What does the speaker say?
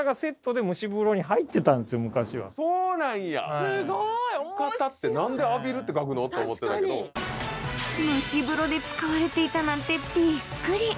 で蒸し風呂に入ってたんですよ昔はそうなんやすごい面白い「浴衣」って何で「浴びる」って書くの？と思ってたけど蒸し風呂で使われていたなんてビックリ！